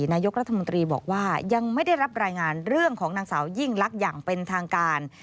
นายกรัฐมนตรีบอกว่ายังไม่ได้รับรายงานเรื่องของนางสาวยิ่งลักษณ์อย่างเป็นทางการ